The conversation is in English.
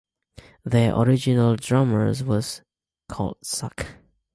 Their original drummer was called Suck.